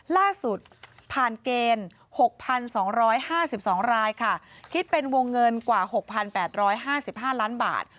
ล่าสุดผ่านเกณฑ์๖๒๕๒รายค่ะคิดเป็นวงเงินกว่า๖๘๕๕ล้านบาท